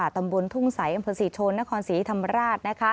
ตำบลทุ่งใสอำเภอศรีชนนครศรีธรรมราช